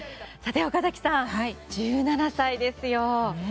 さて岡崎さん、１７歳ですよ。